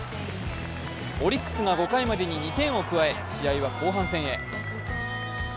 オリックスが５回までに２点を加え試合は後半戦へ。